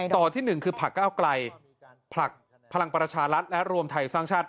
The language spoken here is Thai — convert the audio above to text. ต่อที่๑คือผลักก้าวไกลผลักพลังประชารัฐและรวมไทยสร้างชาติ